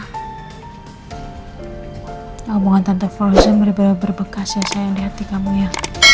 hubungan tante frozen benar benar berbekas ya sayang di hati kamu ya